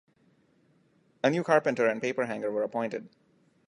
A new carpenter and paper-hanger were appointed.